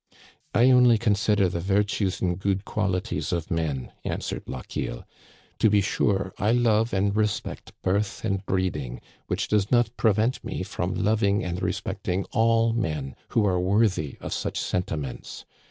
" I only consider the virtues and good qualities of men," answered Lochiel. " To be sure, I love and respect birth and breeding, which does not prevent me from lov ing and respecting all men who are worthy of such senti ments.